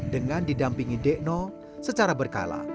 dengan didampingi dekno secara berkala